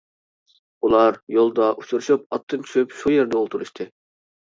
ئۇلار يولدا ئۇچرىشىپ ئاتتىن چۈشۈپ شۇ يەردە ئولتۇرۇشتى.